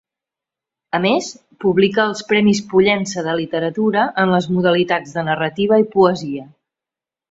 A més, publica els Premis Pollença de Literatura en les modalitats de Narrativa i Poesia.